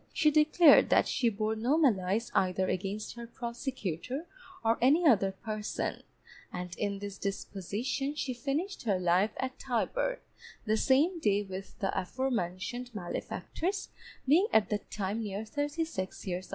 She declared that she bore no malice either against her prosecutor, or any other person, and in this disposition she finished her life at Tyburn, the same day with the afore mentioned malefactors, being at that time near thirty six years of age.